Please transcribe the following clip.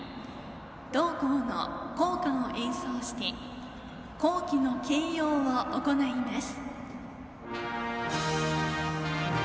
同校の校歌を演奏して校旗の掲揚を行います。